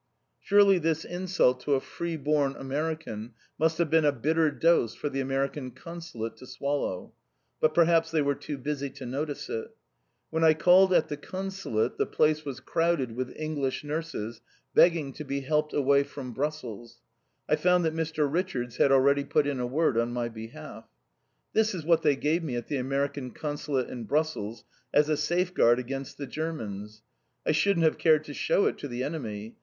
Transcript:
Surely this insult to a free born American must have been a bitter dose for the American Consulate to swallow. But perhaps they were too busy to notice it! When I called at the Consulate the place was crowded with English nurses begging to be helped away from Brussels. I found that Mr. Richards had already put in a word on my behalf. This is what they gave me at the American Consulate in Brussels as a safeguard against the Germans. I shouldn't have cared to show it to the enemy!